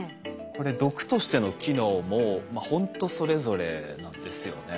これ毒としての機能もほんとそれぞれなんですよね。